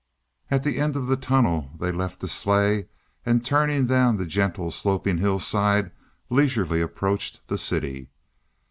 At the end of the tunnel they left the sleigh, and, turning down the gentle sloping hillside, leisurely approached the city.